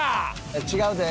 違うで。